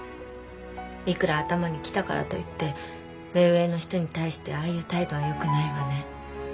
いくら頭に来たからといって目上の人に対してああいう態度はよくないわね。